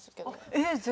えっ！？